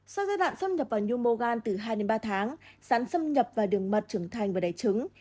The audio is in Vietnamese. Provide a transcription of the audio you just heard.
sau giai đoạn xâm nhập vào nhu mô gan từ hai ba tháng sán xâm nhập vào đường mật trưởng thành và đầy trứng